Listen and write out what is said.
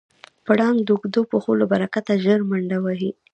پړانګ د اوږدو پښو له برکته ژر منډه وهي.